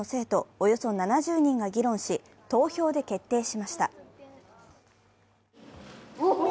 およそ７０人が議論し、投票で決定しました。